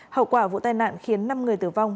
hậu quả vụ tai nạn khiến năm người tử vong